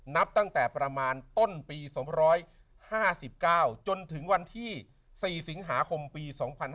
นับตั้งแต่ประมาณต้นปี๒๕๙จนถึงวันที่๔สิงหาคมปี๒๕๕๙